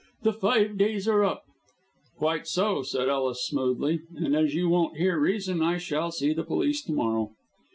The five days are up." "Quite so," said Ellis, smoothly, "and as you won't hear reason I shall see the police to morrow."